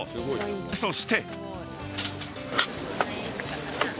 そして。